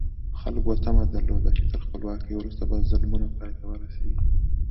خلکو تمه درلوده چې تر خپلواکۍ وروسته به ظلمونه پای ته ورسېږي.